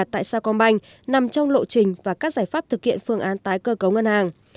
tại sao công banh nằm trong lộ trình và các giải pháp thực hiện phương án tái cơ cấu ngân hàng